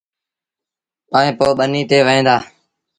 ائيٚݩ پو ٻنيٚ تي وهيݩ ديٚݩ۔